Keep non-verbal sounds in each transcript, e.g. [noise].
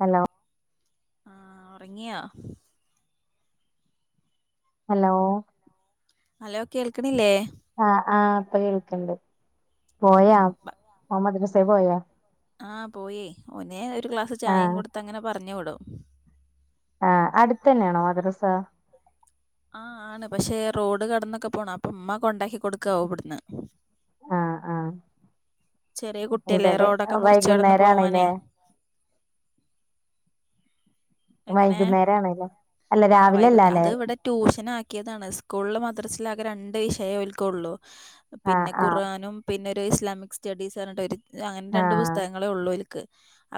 Hello ആഹ ഒറങ്ങിയോ hello hello കേൾക്കണില്ലേ ആ ആ ഇപ്പ കേൾക്ക്ണ്ട് പോയോ ഓ മദ്രസ പോയോ ആ പോയി ഓനെ ഒരു ഗ്ലാസ് ചായയും ആഹ് കൊടുത്ത് അങ്ങനെ പറഞ്ഞു വിടും ആ അടുത്തന്നെയാണോ മദ്രസ. ആ ആണ് പക്ഷേ റോഡ് കടന്നൊക്കെ പോണം അപ്പ ഇമ്മ കൊണ്ടാക്കി കൊടുക്കാവും ഇവട്ന്ന് ആഹ് ആഹ് ചെറിയ കുട്ടിയല്ലേ ഇവിടെ റോഡൊക്കെ മുറച്ച് കടന്ന് പോവാനേ വൈകുന്നേരാണ്ല്ലേ എങ്ങനെ വൈകുന്നേര ആണെലോ ആ വൈകുന്നേ അത് ഇവിടെ ട്യൂഷന ആക്കിയതാണ് സ്കൂളിൽ മദ്രസിലാകെ രണ്ട് വിഷയം ഒക്കള്ളൂ ആഹ് പിന്നെ ആഹ് ഖുർഹാനും പിന്നെ ഒരു ഇസ്ലാമിക് സ്റ്റഡീസ് പറഞ്ഞിട്ട് അങ്ങനെ രണ്ട് ആഹ് പുസ്തകങ്ങളെ ഉള്ളൂ ഓല്ക്ക്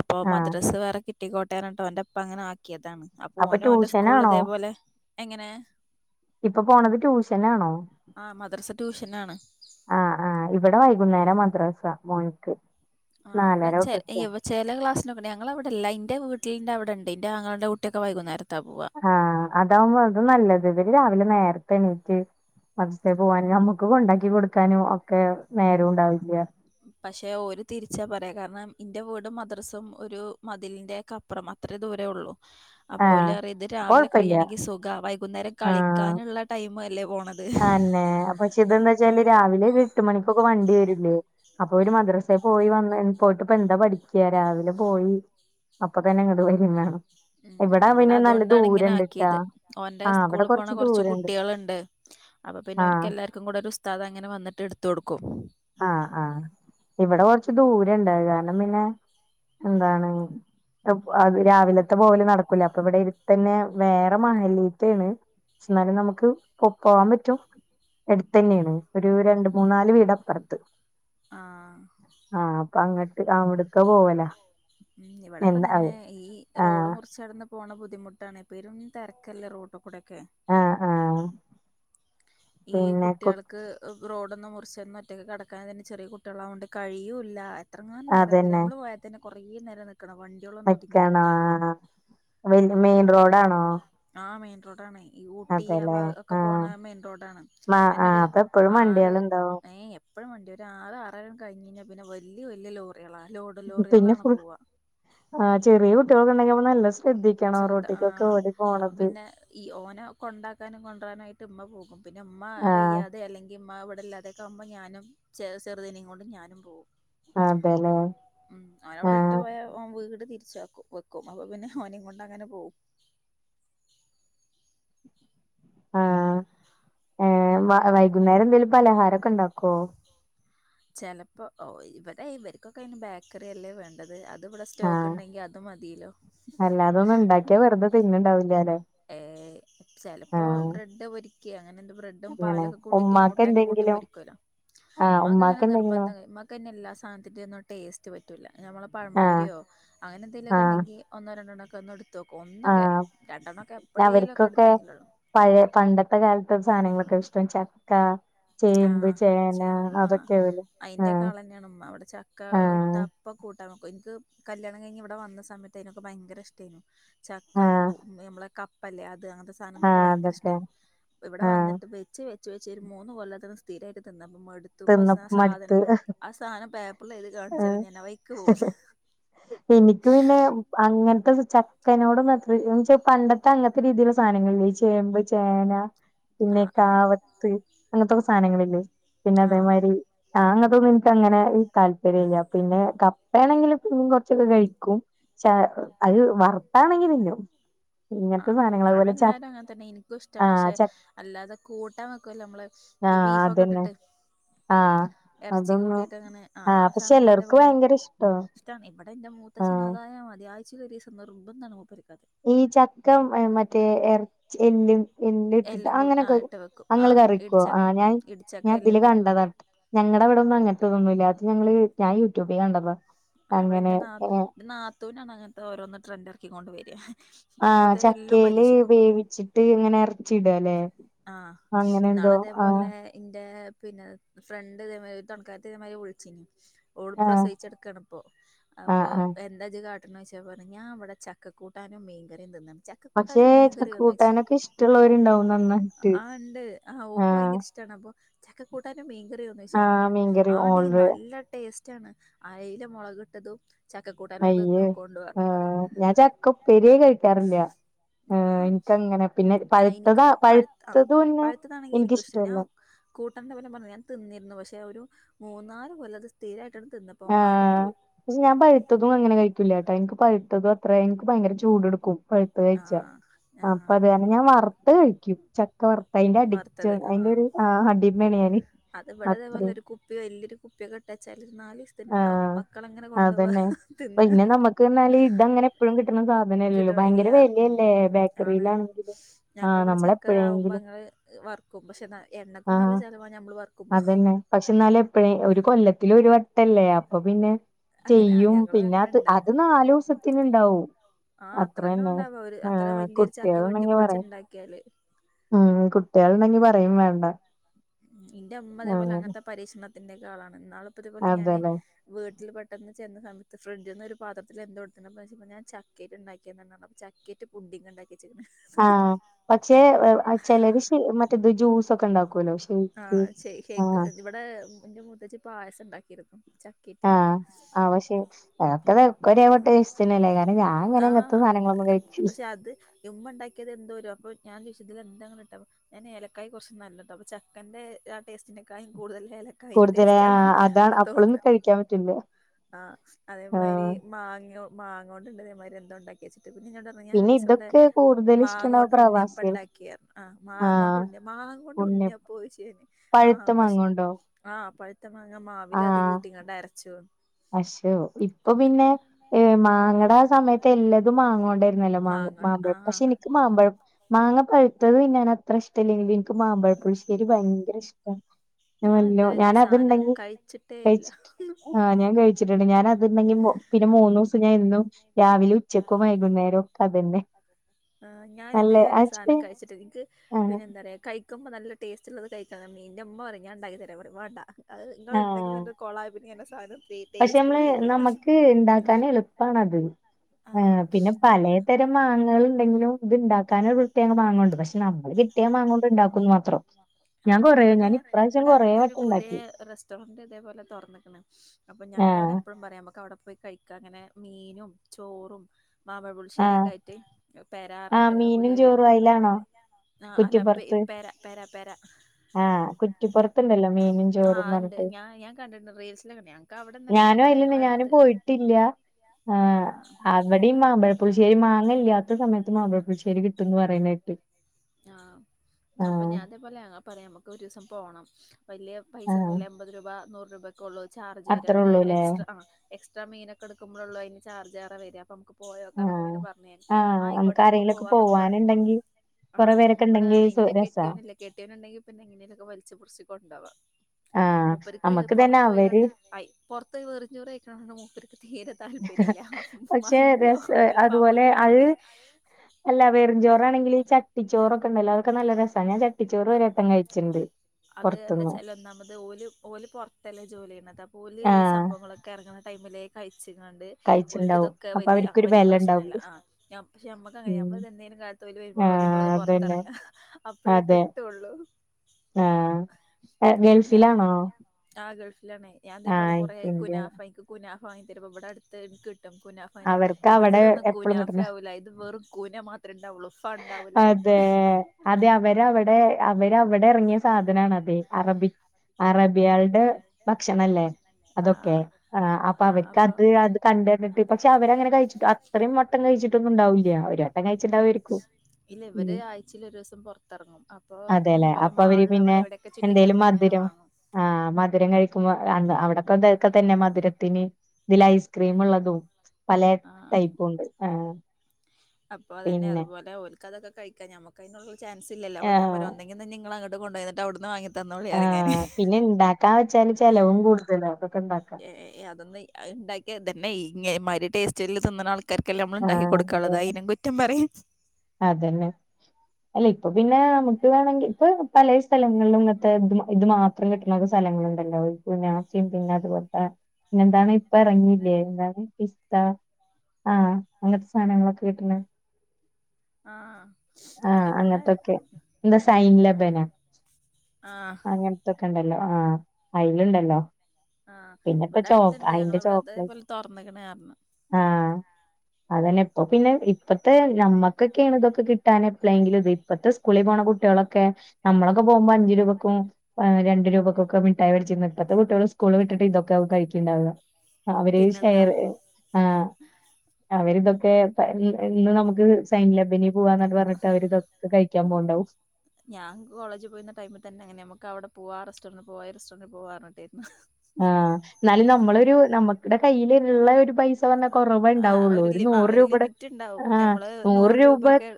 അപ്പൊ ആഹ് മദ്രസ്സ വേറെ കിട്ടിക്കോട്ടേന്നറഞ്ഞിട്ട് ഓന്റെ ഇപ്പ അങ്ങനെ ആക്കിയതാണ് അപ്പൊ ഓൻ ഓന്റെ സ് കുൾ ഇതേപോലെ എങ്ങനെ ഇപ്പൊ പോണത് ട്യൂഷനാണോ? ആ മദ്രസ ട്യൂഷനാണ് ആ ആ ഇവിടെ വൈകുന്നേര മദ്രാസ മോൻക്ക്. ആഹ് അവിടെ നാലര ചെ തൊട്ടിട്ട് ചെല ക്ലാസിനക്ക ഞങ്ങവിടെല്ല ഇന്റെ വീ [unintelligible] അവിടെ ഇണ്ട് ഇന്റെ ആങ്ങളന്റെ കുട്ടിയൊക്കെ വൈകുന്നേരം ആ അതാവുമ്പോ അത് നല്ലത് ഇവര് രാവിലെ നേര് ത്തെ എണീറ്റ് മദ്രസ പോവാനും നമ്മുക്ക് കൊണ്ടാക്കി കൊടുക്കാനും ഒക്കെ നേരവും ഉണ്ടാവില്ല. പക്ഷെ ഒരു തിരിച്ചാ പറയാ കാരണം ഇന്റെ വീടും മദ്രസും ഒരു മതിലിന്റെ കപ്പുറം അത്ര ദൂരേ ഉള്ളൂ. അപ്പോ ആഹ് ഓല് റിയ ഇത് രാവിലെ കൊഴപ്പല്ല കഴിയണെങ്കിൽ സുഖ വൈകുന്നേരം ആഹ് കളിക്കാനുള്ള ടൈമു ല്ലേ പോ അന്നെ പക്ഷേ ഇതന്താ വെച്ചാല് രാവിലെ എട്ട മണിക്കൊക്കെ വണ്ടി വരൂല്ലേ അപ്പോ ഒരു മദ്രസൽ പോയി വ പോയിട്ട എന്താ പഠിക്ക രാവിലെ പോയിട്ട് പോ പോയി അപ്പൊ തന്നെ ഇങ്ങോട് വരുന്നാണ് ഉം ഇവിടെ അതൊണ്ടാണ് ഇങ്ങനെ ആക്കിയത് ഓന്റെ ആഹ് ഇവിടെ സ്കൂളിൽ പോണ കൊറച്ച് ദൂരണ്ട് കുട്ടിയളുണ്ട് അപ്പൊ പിന്നെ ആഹ് ഓർക്ക് എല്ലാർക്കും കൂടെ ഒരു ഉസ്താദ് അങ്ങനെ വന്നിട്ട് എടുത്ത കൊടുക്കും ആ ആഹ് ഇവിടെ കൊറച്ച് ദൂരുണ്ട കാരണം പിന്നെ എന്താണ് അത് രാവിലത്തെ പോലെ നടക്കൂല അപ്പൊ ഇവിടെ എട്ത്തന്നെ വേറെ മഹലിത്തെണ് എന്നാലും നമുക്ക് ഒപ്പവാൻ പറ്റും എടുത്തന്നെയെണ് ഒരു രണ്ട് മൂന്ന നാല് വീടപ്പുറത്ത് ആ ആ അപ്പൊ അങ്ങട്ട് അവിട ഉം ഇവിടെപ്പം തന്നെ അത്. ഈ ആഹ് റോഡ് മുറിച്ചടന്ന് പോണ ബുദ്ധിമുട്ടാണ് പെരും തിരക്കല്ല റോഡു കൂടെക്കെ ആ ആ ഈ കുട്ടിയൾക്ക് റോഡ ഇ മുറിച്ചോന്ന ഒറ്റക്ക് കിടക്കാൻന്നെ ചെറിയ കുട്ടികളാവുകൊണ്ട് കഴിയൂല്ല എത്രങ്ങാനം നേരംക്ക അതന്നെ നമ്മള് പോയാതന്നെ കുറേ നേരം നി നിക്കണോ വ മെയിൻ റോഡാണോ റോഡാനെ ഈ ഊട്ടിയ അതെല്ലേ ഭാഗം ഒക്കെ പോണ ആഹ് മെയിൻറോഡ് മ ആ അപ്പൊ എപ്പോഴും വണ്ടിയളുണ്ടാവും. ഏ എപ്പഴും വണ്ടിര് ഒരു ആറ ആറരകഴിഞ്ഞഞ് കഴിഞ്ഞാൽ പിന്നെ വലിയ വലിയ ലോറികള ആ ലോഡ് ലോറികളാണ് പോവാ ആ ചെറിയ കുട്ടികൾക്ക ഉണ്ടെങ്കി നല്ല ശ്രദ്ധിക്കണം ശ്രദ്ധ റോട്ടിക്കൊക്കെ ആഹ് ഓടി അപ്പൊ പോണത് പിന്നെ ഈ ഓനെ കൊണ്ടാക്കാനും കൊണ്ടരാനായിട്ട് ഇമ്മ പോകും പിന്നെ ഇമ്മ ആഹ് വയ്യാതെ അല്ലെങ്കിൽ ഇമ്മ ഇവിടെല്ലാതൊക്കെ ആവുമ്പോ ഞാനും ചെരുത്‌നെ കൊണ്ട് ഞാനും പോകും അതെല്ലേ ഉം അവനവിടെ ഇട്ട് ആഹ് പോയ ഓൻ വീട് തിരി [unintelligible] വെക്കും അപ്പൊ പിന്നെ ഓന കൊണ്ട് അങ്ങനെ പോവും ആ ഏഹ് വൈകുന്നേരം എന്തെങ്കിലും പലഹാരൊക്കെ ഇണ്ടാക്കോ ചെലപ്പോ ഓ ഇവടെ ഇവർക്കൊക്കെ അയിന് ബേക്കറി അല്ലേ വേണ്ടത് അത് തിവിടെ സ്റ്റോക്ക് ആഹ് ണ്ടെങ്കി അത് മതില്ലോ അല്ലാതൊന്നും ഉണ്ടാക്കിയാ വെറുതെ തിന്നുണ്ടാവില്ലാല്ലേ ഏ ചെലപ്പോ ആഹ് ബ്രെഡ് പൊരി [unintelligible] ബ്രഡും അങ്ങനെ പാലൊക്കെ കൂട്ടിട്ട് ഉമ്മാക്ക് മുട്ട കൂട്ടി എന്തെങ്കിലും പൊരിക്കുല്ലോ ആഹ് ഇമ്മാക്ക് അങ്ങനെ ഉമ്മാക്ക് എന്തെങ്കിലോ നിർബന്ധം ഇമ്മക്ക് അയ്ൻ എല്ലാ സാധനത്തിന്റെ ഒന്നും ടേസ്റ്റ് പറ്റൂല നമ്മൾ ആഹ് പഴമ്പൊരിയോ അങ്ങനെ എന്തേലുമൊക്കെ ആഹ് ഉണ്ടങ്കിൽ ഒന്നോരണ്ടെണ്ണംക്കെ [unintelligible] ഒന്നൊക്കെ ആഹ് രണ്ടെണ്ണക്കെ എപ്പോഴേലും ഒക്കെ അവർക്കൊക്കെ എടുത്തെങ്കിലെ ഉള്ളു പഴയ പണ്ടത്തെ കാലത്ത് സാധങ്ങളൊക്കെ ഇഷ്ടം ചക്ക ചേമ്പ് ആഹ് ചേന ചേമ്പ് ആ അതൊക്കെയാവൂലേ ആഹ് അയിന്റെക്കാളന്നെയാണ് ഉമ്മ ഇവിടെ ചക്ക ആഹ് ഇട്ടപ്പ കൂട്ട എനിക്ക് കല്യാണം കഴിഞ്ഞ് ഇവിടെ വന്ന സമയത്ത് ഇതിനൊക്കെ ഭയങ്കര ഇഷ്ടായിന്നു ചക്ക പൂ ആഹ് നമ്മളെ കപ്പല്ലേ അത് അങ്ങന [unintelligible] സാധനങ്ങക്കെ ആഹ് ഭയങ്കര ഇഷ്ട അതൊക്കെ ഇവിടെ ആഹ് വന്നട്ട് വെച്ച് വെച്ച് വെച്ച് ഒരു മൂന്ന് കൊല്ലതിന് സ്ഥീരായിട്ട് തിന്ന മടുത്തുപ്പ തിന്നപ്പം മടുത്ത് സാധനം. ആ സാധനം പേപ്പറിലൈതി കാണിച്ചാ ആഹ് പിന്നെ ഞാനാ വൈക്ക് പോവുല എനിക്ക് പിന്നെ അങ്ങനത്തെ ച [unintelligible] പണ്ടത്തെ അങ്ങനത്തെ രീതിയിലുള്ള സാധനങ്ങളില്ലേ ഈ ചേമ്പ് ചേന പിന്നെ ആഹ് ആഹ് കാവത്ത് അങ്ങനത്തൊക്കെ സാധനങ്ങളില്ലേ? പിന്നെ ആഹ് അതേമാരി ആ അങ്ങനത്തൊന്നും അങ്ങനെ താല്പര്യല്ല പിന്നെ കപ്പയാണെങ്കിൽ പിന്നേം കൊറച്ചൊക്കെ കഴിക്കും ചാ അത് വറുത്താണെങ്കി തിന്നും ആ ഇങ്ങനത്തെ സാധനങ്ങൾ അത് അതുപോലെ ച എല്ലാരും അങ്ങനെ തന്നെ. എനിക്കും ഇഷ്ടാണ്. ആഹ് പക്ഷെ ച അല്ലാതെ കൂട്ടാൻ വെക്കുവല്ലോ നമ്മള് ആ ഈ ബീഫൊക്കെ അതന്നെ ഇട്ടിട്ട് ആ ഇറച്ചിയൊക്കെ അതൊന്നും കൂട്ടിയിട്ട് അങ്ങനെ ആ ആ ആഹ് പക്ഷെ സാധനം എല്ലാർക്കും അതേപോലെ ഭയങ്കര ഇഷ്ടാ ഇഷ്ടാണ് ഇവിടെ ന്റെ മൂത്തച്ഛനും ആഹ് അതന്നെ മതി ആ [unintelligible] നിർബന്ധാണ് മൂപ്പര് ഈ ചക്കം മറ്റേ എറച്ചി [unintelligible] എല്ല് ഇട്ടിട്ട് എല്ലും കൂട്ട് ആഹ് അങ്ങനെയൊക്കെ ഇട്ട് വെക്കും ങ്ങൾ ആഹ് കറിക്കുവോ? ആ ഇടിച്ചക്ക ആഹ് ഇടിച്ചക്ക ഞാൻ തില് എല്ലിട്ടൊക്കെ കണ്ടതാ വെക്കും ഞങ്ങടവിടൊന്നും അങ്ങനത്തതൊന്നും ഇല്ലാ. അത് ഞങ്ങള് ഞാൻ യൂട്യൂബിൽ കണ്ടതാ ആ ഇവിടെ അങ്ങനെ ന്റെ നാ ഏഹ് ൻ്റെ നാത്തൂനാണ് അങ്ങനത്തെ ഓരോന്ന് ട്രെൻഡറക്കി കൊണ്ട് വരാ ആ ചക്കേൽ വേവിച്ചിട്ട് ഇങ്ങനെ എറച്ചിടലെ? ആഹ് ഇന്നാൾ അതേപോലെ ഇൻ്റെ പിന്നെ ഫ്രണ്ട് ഇതേമാതി തൊണക്കാർത്തി ഇതേമാതിരി വിളിച്ചിനി ഓൾ ആഹ് പ്രസവിച്ചെടുക്കണിപ്പൊ ആഹ് അപ്പൊ ആഹ് എന്താ ജ്ജ് കാട്ട ചോയ്ചപോ പറയണ് ഞാ ഇവിടെ ചക്കകൂട്ടാനും മീൻകറിം തിന്നണ് പക്ഷേ ചക്ക കൂട്ടാനൊക്കെ ഇഷ്ടള്ളോരുണ്ടാവും നന്നാ ആ ണ്ട് ആ ഓക്ക് ഭയങ്കര ഇഷ്ടാണ് അപ്പൊ ചക്കക്കൂട്ടാനും മീൻകറിയോന്ന് ചോയ്ച്ച് ഞാൻ അപ്പൊ ആഹ് പറഞ്ഞ് മീൻകറി ആടി ഓൾറ് നല്ല ടേസ്റ്റ് ആണ് അയില മുളകു ഇട്ടതും അയ്യേ ആ ഞാൻ ചക്ക ഉപ്പേരിയെ കഴിക്കാറില്ല ആ ആഹ് എനിക്കങ്ങനെ പിന്നെ ആ പഴുത്തതാ എനിക്കും പഴ് പഴുത്ത ആ പഴുത്തതാണെങ്കി എനിക്കും ഇഷ്ട. ഞാ കൂട്ടന്റെ പറഞ്ഞ പോലെ ഞാൻ തിന്നിരുന്നു പക്ഷെ ഓ മൂന്നാല് കൊല്ലം അത് സ്ഥിരായിട്ട് ആ പക്ഷെ ഞാൻ പഴത്തതും അങ്ങനെ കഴിക്കൂലട്ടോ എനിക്ക് പഴുത്തതും അ അത്ര എനിക്ക് ഭയങ്കര ചൂടെടുക്കും പഴുത്ത ആ കഴിച്ചാ ആ അപ്പൊ അത് ആ കാരണം ഞാൻ വറുത്ത് കഴിക്കും ചക്ക വറുത്ത. അതിന്റെ അഡിക്റ്റ് വറുത്തത് ആണ് ആ അതിന്റെ ഒരു അടിമേണ് ഞാൻ അത് ഇവിടേദേപോലെ ഒരു കുപ്പിയോ വലിയൊരു കുപ്പിയക്കെട്ടച്ചാല് നാലീ ആ അതന്നെ തിന്ന് പിന്നെ നമുക്ക് ന്നാൽ ഇതങ്ങനെ എപ്പോഴും കിട്ടണ സാധ കിട്ട ധനല്ലല്ലോ ഇല്ല ഭയങ്കര ഉം, വിലയല്ലേ ആണ് ബേക്കറിയിലാണെങ്കില് ആ നമ്മളെപ്പോഴങ്കിലും വർക്കും പക്ഷെ എണ്ണക്കും നല്ല ചെലവാ ഞമ്മള് വർക്കുമ്പോ അതന്നെ പക്ഷെ എന്നാലും എപ്പോഴേ ഒരു കൊല്ലത്തിൽ ഒരു വട്ടല്ലേ അപ്പൊ പിന്നെ അങ്ങനെ ആ ചെയ്യും ഞങ്ങളും പിന്നെ അങ്ങനെ അത് അത് നാലൂ സത്തിനുണ്ടാവും ആ അത്രന്നെ ഉണ്ടാവ ഒരു അത്ര വലിയൊരു ചക്ക കുട്ടികളുണ്ടെങ്കി പറയും വെട്ടിപ്പൊളിച്ചുണ്ടാക്കിയാല് ഉം കുട്ടികൾ ഉണ്ടെങ്കി പറയും വേണ്ട ന്റെ മ്മ അതേപോലെ അങ്ങനെ അങ്ങനത്തെ പരിക്ഷണത്തിന്റെക്കെ ആളാണ് എന്നാള ഇപ്പതുപോലെ ഞാന് അതെല്ലേ വീട്ടിൽ പെട്ടെന്ന് ചെന്ന് ഫ്രിഡ്ജിന്ന് ഒരു പാത്രത്തില് എന്തോടത്ക്ന് അപ്പൊ ഞാൻ ചോയ്ച്ചു ചക്കേറ്റ് ഉണ്ടാക്കിയണ്ട അ ചക്കറ്റ് പുഡിങ് ഉണ്ടാക്കി വെച്ച്ക്ക്ണ് ആഹ പക്ഷേ ചിലര് ആ മറ്റേത് ജ്യൂസക്കെ ഉണ്ടാക്കൂ ആ ഷേക് ഇവിടെ ഇന്റെ മൂത്തച്ചി പായസം ഉണ്ടാക്കിരും ആ ആ പക്ഷെ ഒക്കെരെ ടേസ്റ്റ്ന്നല്ലേ അയ്കാരം ഞാൻങ്ങനെ ആ പക്ഷെ അത് ഉമ്മ ണ്ടാക്കിയത് എന്തോരും അപ്പൊ ഞാൻ വിസ് ഇതില എന്താണ് ണ്ടാവാ ഞാൻ ഏലക്കായ കുറച്ച് നല്ലട്ടോ അപ്പൊ ചക്കന്റെ ആ ടേസ്റ്റിനെക്കായും കൂടുതല് കൂടുതലാ അതാണ് അപ്പോളൊന്നും കഴിക്കാൻ പറ്റില്ല ആ അതേമാരി ആഹ് മാങ്ങോ മാങ്ങോണ്ട് തേമാരി എന്തോ ഉണ്ടാക്കിയച്ചിന് പിന്നെന്നോട് പറഞ്ഞു പിന്നെ ഞാനുരീസംവിടെ ഇതൊക്കെ കൂടുതൽ ഇഷ്ടണ്ടാവ മാങ്ങോണ്ട് ഉണ്ണിയപ്പ പ്രവാസികൾക്ക് ഉണ്ടാക്കി ആ മാങ്ങ കൊണ്ട് ആഹ് മാങ്ങോണ്ട മാങ്ങോണ്ട് ഉണ്ണിയ ഉണ്ണിയപ്പം ആ പഴുത്ത മാങ്ങ പക്ഷെ കൊണ്ടോ ആ പഴുത്ത മാങ്ങ മാവിൽ അത് കൂട്ടികാണ്ട് അരച്ചു പശോ ഇപ്പൊ പിന്നെ ഏ മാങ്ങട ആ സമയത്ത് എല്ലാതും മാങ്ങോണ്ടായിരുന്നു മാങ്ങ മാങ്ങോണ്ട് മാമ്പഴം ആഹ് പക്ഷെ എനിക്ക് മാമ്പഴം മാങ്ങ പഴുത്തത് പിന്നെ ഞാൻ അത്ര ഇഷ്ടല്ലെനി ഇന്ക് മാമ്പയാ പുളിശ്ശേ ശരി ഭയങ്കര ഇഷ്റ്റാണ് ഞാ ഇതുവരെ ആ സാനം കഴിച്ചിട്ടേ ഇല്ല കഴിച്ചിട്ട് ആഹ് ഞാൻ കഴിച്ചിട്ടുണ്ട് ഞാന തുണ്ടെങ്കി പിന്നെ മൂന്നുസം ഞാൻ എന്നും രാവിലെ ഉച്ചക്കോ വൈകുന്നേരോ ഒക്കെ അതിനെ ആ ഞാനിതേ വരെ ആ സാധനം കഴിച്ചിട്ടില്ല എനിക്ക് ആഹ് പിന്നെ എന്താ പറയാ കഴ ക്കുമ്മ നല്ല ടേസ്റ്റ് ഉള്ളത് കഴിക്ക മീൻന്റെമ്മ പറഴും ഉണ്ടാക്കി തരാം വാണ്ട അത് നിങ്ങൾ ഉണ്ടെങ്കുന്നന്റെ [unintelligible] കോള ആയ പിന്നെ എന്റെ സാധനം പക്ഷെ ടേസ്റ്റേ നമ്മള് ചെയ്യൂല നമ്മുക്ക് ഇണ്ടാക്കാൻ എളുപ്പാണത് ആ് ആഹ് പിന്നെ പലെതരം മാങ്ങകൾ ഉണ്ടെങ്കിലും ഇത് ഉണ്ടാക്കാനൊ ഒരു പ്രത്യേക മാങ്ങ ഉണ്ട് പക്ഷെ നമ്മള് കിട്ടി മാങ്ങോണ്ട് ഉണ്ടാകുന്ന് മാത്രം ഞാ ആഹ് കുറെ ഇവിടെ ഞാൻ ഇപ്രാവശ്യം ഇവിടെ കൊറേ അടുത്തൊരു വട്ടം പുതിയ ഇണ്ടാക്കി റെസ്റ്റോറന്റ് ഇതേപോലെ തുറന്നേക്കണ് അപ്പൊ ഞങ്ങളവിടെ ആഹ് എപ്പഴും പറയാ ഞമ്മക്കവിടെ പോയി കഴിക്കാ അങ്ങനെ മീനും ചോറും ആഹ് മാമ്പയാപുളശ്ശേരിക്കെ ആയിറ്റ് ആഹ് പെരാറിഞ്ഞിട്ട് മീനും പുതിയൊരു ചോറും അയിലാണോ ആഹ അല്ല പെരാ പെരാ പെരാ ആഹ കുറ്റിപ്പുറത്ത്ണ്ടല്ലോ മീനും ആഹ് ചോറും ഉണ്ട് പറഞ്ഞിട്ട് ഞാൻ ഞാൻ കണ്ടിട്ടുണ്ട് റീൽസിലൊക്കെ ഞങ്ങക്ക് അവിടെന്നല്ല ഞാനും ഞങ്ങക്ക് ഇവിടെ അയിലെന്നെ ഞങ്ങളെ ഞാനും അടുത്ത് പോയിട്ടില്ല ആ് ആഹ് അവിടിം മാമ്പഴപ്പുളശ്ശേരി മാങ്ങ ഇല്ലാത്ത സമയത്ത് മാമ്പഴപ്പുളിശ്ശേരി കിട്ടുംന്ന് പറയുന്നെട്ട് ആഹ അപ്പ ഞാൻ അതേപോലെ പറയാ നമുക്ക് ഒരീസം പോണം വല്ല്യ ആഹ് പൈസൊന്നുല്ല എമ്പത് രൂപ നൂറ് രൂപക്കെള്ളൂ ചാർജ് ര അത്രേ പിന്നെ ഉള്ളൂല്ലേ എക്സ്ട്രാ ആ എക്സ്ര മീൻ ഒക്കെ എടുക്കോളുള്ളൂ അയിന് ചാർജേറെ വരാ അപ്പം നമ പോയോക്കാന്നൊക്കെക്കെ ആഹ് ഇങ്ങനെ പറഞന് ആഹ് ആ ആയിക്കോട്ടെ നമുക്ക് ആരെങ്കിലൊക്കെ പോവാന്നൊക്കെ പറഞ പോവാനുണ്ടെങ്കി ആ കൊറേ പേരൊക്കെ ഇണ്ടെങ്കി ഇവിടെതാണ് ഇ സു രസാ ന്റെക്കെട്ടിയോനില്ല കെട്ടിയോന്ണ്ടെങ്കിൽ പിന്നെ എങ്ങനെലൊക്കെ വലിച്ചുപിടിച്ചു കൊണ്ടോവാം ആഹ് മൂപ്പര്ക്ക് നമ്മക്ക് തന്നെ പുറത്ത് അവര് പോയികാണ്ട് അയ്‌പുറത്ത് പോയി വേറ്ജോറ് കഴിക്കാണ മൂപ്പരിക്ക് തീരെ താല്പര്യല്ല പക്ഷെ മന്തിയോ രസ അൽഫാമ അതുപോലെ ക്കെ അത് ആണെങ്കിൽ അല്ല വെറുംചോറാണെങ്കിൽ ച ട്ടിച്ചോറൊക്കെ ഉണ്ടല്ലോ അതൊക്കെ നല്ല രസാണ് ഞാൻ ചട്ടിച്ച ചോറ് ഒരട്ടം കഴിച്ചിണ്ട്. അത് എന്താച്ചാല് ഒന്നാമത് ഓല് ഓല് പുറത്തല്ലേ ജോലി യ്യണത് അപ്പൊ ഓല് ഈ ആഹ് സംഭവങ്ങളൊക്കെ എറങ്ങണ ടൈമില് ച്ച് കാണ്ട് ഓല്ക് കഴിച്ചിണ്ടാവും ഇതൊക്കെ അപ്പൊ വലിയ അവർക്കൊരു വലിയ വില പ്രശ്നമല്ല ഉണ്ടാവുള്ളു ആ പക്ഷെ ഉം നമ്മക്ക്ങ്ങനെതെന്തെലും ക ഓല് വരുമ്പോളുള്ളൂ ഇതിന്റെ ഉള്ളന്ന് ആഹ് ഒന്ന് അതന്നെ പുറത്തിറങ്ങ അപ്പോഴേ അതെ കിട്ടുള്ളൂ ആഹ് അപ്പ ഞാൻ ഗൾഫിലാണോ ആ ഗൾഫ് ല്ലാന്ന് ഞാൻ ആഹ് തേപോലെ കുറേ എനിക്ക് ഇന്ത്യ കുനാഫ കഴി എനിക്ക് കുനാഫ വങ്ങി തരു ഇവിടെ അടുത്ത് ഒരു എനിക്ക് ന അവർക്ക് അവിടെ ഇവിടുത്തോന്നും എപ്പളും കൂനാഫ കിട്ടണ ആവൂല ഇത് വെറും കൂന മാത്രേണ്ടാവുള്ളു ഫ ഇണ്ടാവൂല പറയും അതെ ഇന്നോട് അതെ അവരവിടെ അവരവിടെ ഇറങ്ങിയ സാധനണതെ അറബിക് അറബിയാൾടെ ഭക്ഷണ അല്ലേ ആ അതൊക്കെ ആ അപ്പൊ അവർക്ക് അത് അത് കണ്ട ട്ട് പക്ഷെ അവര അങ്ങനെ കഴിച്ചിട്ട് പക്ഷേ അവരങ്ങനെ കഴിച്ചിട്ട് അത്രയും വട്ടം കഴിച്ചിട്ടൊന്നുംണ്ടാവൂല്ല ഒരട്ടം കഴിച്ചിട്ടണ്ടാവാരിക്കും ഇല്ല ഇവര് ആയ്ചെൽ ഒരു ദിവസം പുറത്തിറങ്ങും അപ്പൊ അതെല്ലേ ഇതുപോലെ അപ്പൊ അവര് മാള്ള് പിന്നെ അവിടെ എവിടെയൊക്കെ എന്തേലും ചുറ്റിക്കറങ്ങി ഇങ്ങനെ മധുരം വാൻ.. ആ ആ മധുരം കഴിക്കുമ്പോ അവിടക്കെതൊക്കെ തന്നെ മധുരത്തിന് ഇതിൽ ഐസ്ക്രീം ഇള്ളതും പല ആ ടൈപ്പുമുണ്ട് അപ്പൊ അതന്നെ അതുപോലെ ഓല്ക്കതൊക്കെ കഴിക്കാ ഞമ്മക്കതിനുള്ള ചാൻസ് ഇല്ലല്ലോ അപ്പൊ ഞാൻ ആ പറയും ഒന്നുങ്കി തന്നെ നിങ്ങള കൊണ്ട് പോയി എന്നിട്ട് അവിട്ന്ന് വാങ്ങി തന്നോളി പറയും ഞാന് ആഹ് പിന്നെ ഇണ്ടാക്കാൻ വെച്ചാല് ചെലവും കൂടുതലാണ് ഏ അതൊന്ന് ഇണ്ടാക്കിയ തന്നെ ഇങ്ങ ഇമ്മാതിരി ടേസ്റ്റിൽ തിന്നണ ആൾ ആൾക്കാരിക്കല്ലേ നമ്മൾ ഉണ്ടാക്കി ആഹ് കൊടുകാള്ളത് അതന്നെ അതിനും കുറ്റം പറയും അതന്നെ അല്ല ഇപ്പൊ പിന്നെ നമുക്ക് വേണെങ്കിൽ ഇപ്പ പലേ സ്ഥലങ്ങളിലും ഇങ്ങനത്തെ ഇ ഇത് മാത്രം കിട്ടുന്ന സ്ഥലങ്ങളുണ്ടല്ലോ കുനാഫായുംപിന്നെ അതേ പോലത്തെ പിന്നെ എന്താണ് ഇപ്പ ഇറങ്ങിയില്ലേ എന്താണ് പിസ്ത ആഹ് അങ്ങനത്തെ സാനങ്ങളൊക്കെ കീട്ടണ ആഹ് ആഹ് അങ്ങനത്തൊക്കെ എന്താ സൈൻ ലബനാ ആ അങ്ങനത്തൊക്കെണ്ടല്ലോ ആഹ് അയിലുണ്ടല്ലോ ആ പിന്നെപ്പോ ഇവിടെ ചോക് അടുത്തുണ്ട് അയിന്റെ ഞങ്ങളവിടെ ചോക്ലേറ്റ് അതേപോലെ തുറന്നിക്കണ് പറഞ്ഞു ആഹ് അതന്നെ അപ്പൊ പിന്നെ ഇപ്പത്തെ നമ്മക്കൊക്കെയാണ് ഇതൊക്കെ കിട്ടാൻ എപ്പോഴെങ്കിലും ഇത് ഇപ്പഴത്തെ സ്കൂളിൽ പോണ കുട്ടികളൊക്കെ നമ്മളൊക്കെ പോകുമ്പോ അഞ്ച് രൂപക്കും രണ്ട് രൂപക്കൊക്കെ മിഠായി വേടിച്ചിരുന്നു ഇപ്പോഴത്തെ കുട്ടികൾ ഉ സ്കൂ ഇതൊക്കെ കഴിക്കിൻണ്ടാവ അവര് പിന്നെന്താ ഷെയർ ആഹ് അവരിതൊ ക്കെഇന്ന് നമുക്ക് സൈൻ ലബനി പോവാന്നക്ക പറഞ്ഞിട്ട് അവര്തൊക്കെ കഴിക്കാൻ പോവണ്ടാവും ഞാൻ കോളെജി പോയിരുന്ന ടൈമി തന്നെ അങ്ങനെ നമുക്കവിടെ പോവാ റെസ്റ്റോറെന്റി പോവ റെസ്റ്റോറന്റി പോവാന്ന് പറഞ്ഞിട്ട് ആഹ് എന്നാലും നമ്മളരു നമ്മടെ കയ്ൽള്ള ഒരു പൈസ പറഞ്ഞ കുറവെ ആ ഉണ്ടാവുള്ളൂ ഒരു ലി ആ നൂറ് രൂപയുടെ ലിമിറ്റ് ഉണ്ടാവും ആ നമ്മള് നൂറ് രൂപ രൂപയൊക്കെ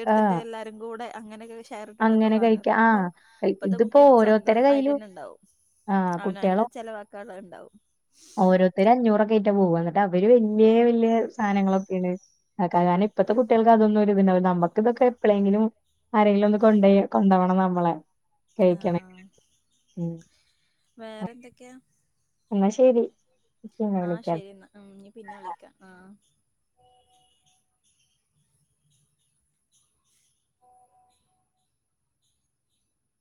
എടുത്തിട്ട് ആഹ് എല്ലാരും കൂടെ അങ്ങനെ ഷെയർ ഇട്ടിട്ടൊക്കെ അങ്ങനെ വാങ്ങ കഴിക്ക ഇപ്പൊ ആഹ് ഇപ്പഴത്തെ കുട്ടിയൊക്കെ സ്വന്തം ആയിട്ട് തന്നെ ഇണ്ടാവും ആഹ് കുട്ടികളും ഓരോരുത്തർ അഞ്ഞൂറൊക്കെ പോവ എന്നിട്ട് അവര് വല്യ വല്യ സാധനങ്ങളൊക്കെയാണ് അ കാരണം ഇപ്പഴത്തെ കുട്ടികൾക്കതൊന്നും ഒരിതിണ്ടാവില്ല നമ്മക്ക് ഇതൊക്കെ എപ്പോളെങ്കിലും ആരെങ്കിലും ഒന്ന് കൊണ്ടോയി കൊണ്ടോവണം നമ്മളെ ആ കഴിക്കണമെങ്കില് വേറെ എന്തൊക്കെയാ എന്ന ശരി പിന്നെ ആഹ് വിളിക്കാം ശരി എന്നാ നി പിന്നെ വിളിക്കാം ആഹ്